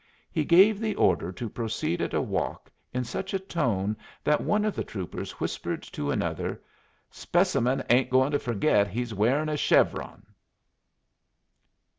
He gave the order to proceed at a walk in such a tone that one of the troopers whispered to another, "Specimen ain't going to forget he's wearing a chevron."